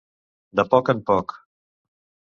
De poc en poc.